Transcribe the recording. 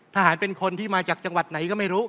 เป็นคนที่มาจากจังหวัดไหนก็ไม่รู้